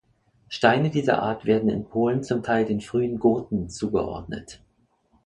Steine dieser Art werden in Polen zum Teil den frühen Goten zugeordnet.